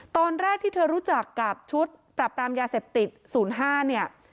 ตอนแรกที่เธอรู้จักกับชุดปรับปรามยาเสพติด๐๕เนี่ย